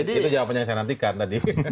itu jawaban yang saya nantikan tadi